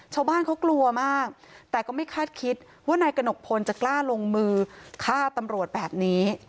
ชาวบ้านเขากลัวมากแต่ก็ไม่คาดคิดว่านายกระหนกพลจะกล้าลงมือฆ่าตำรวจแบบนี้